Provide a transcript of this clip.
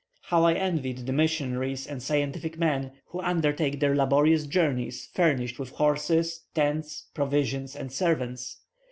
How I envied the missionaries and scientific men, who undertake their laborious journeys furnished with horses, tents, provisions, and servants.